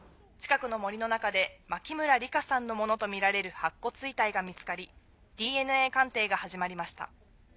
近くの森の中で牧村里香さんのものとみられる白骨遺体が見つかりＤＮＡ鑑定が始まりました。